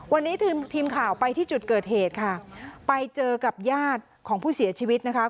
วันนี้ทีมข่าวไปที่จุดเกิดเหตุค่ะไปเจอกับญาติของผู้เสียชีวิตนะคะ